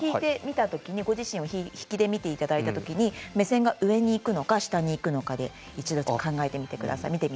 ご自身を引きで見ていただいたときに目線が上にいくのか下にいくのかで一度、見てみてください。